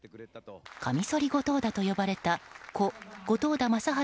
カミソリ後藤田と呼ばれた故・後藤田正晴